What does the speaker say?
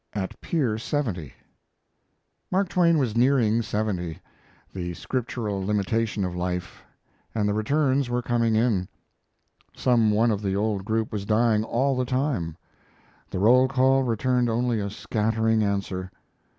AT PIER 70 Mark Twain was nearing seventy, the scriptural limitation of life, and the returns were coming in. Some one of the old group was dying all the time. The roll call returned only a scattering answer.